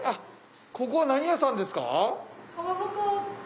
ここは何屋さんですか？